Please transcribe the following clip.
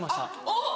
あっ！